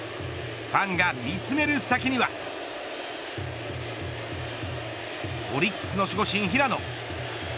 ファンが見つめる先にはオリックスの守護神、平野。